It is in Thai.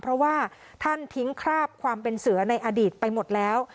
เพราะว่าท่านทิ้งคราบความเป็นเสือในอดีตไปหมดแล้ว